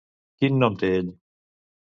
Quin nom té ell?